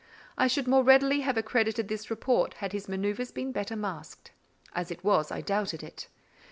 I should more readily have accredited this report had his manoeuvres been better masked. As it was, I doubted it.